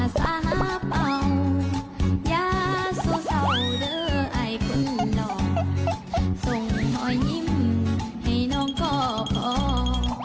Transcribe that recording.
ส่งหอยยิ้มให้น้องก็ออก